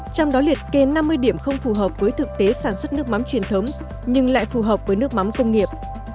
trong đó liệt kê năm mươi điểm không phù hợp với thực tế sản xuất nước mắm truyền thống nhưng lại phù hợp với nước mắm công nghiệp